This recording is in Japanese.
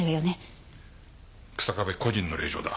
日下部個人の令状だ。